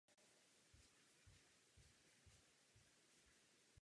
Byl mu udělen Olympijský záslužný diplom a Řád britského impéria v hodnosti komandéra.